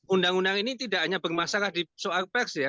undang undang ini tidak hanya bermasalah di soal pers ya